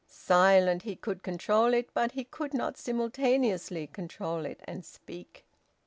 Silent, he could control it, but he could not simultaneously control it and speak.